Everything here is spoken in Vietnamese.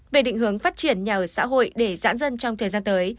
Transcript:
về định hướng phát triển nhà ở xã hội để giãn dân trong thời gian tới